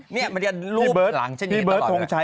นี่มันก็รูปหลังฉันอยู่ตลอดเลยพี่เบิร์ตพี่เบิร์ตทรงชัย